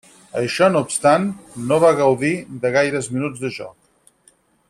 Això no obstant, no va gaudir de gaires minuts de joc.